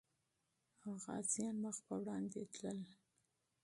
غازيان مخ پر وړاندې تلل.